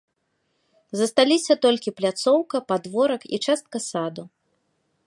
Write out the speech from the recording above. Засталіся толькі пляцоўка, падворак і частка саду.